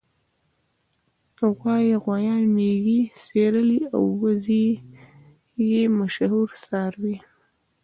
غواوې غوایان مېږې سېرلي او وزې یې مشهور څاروي دي.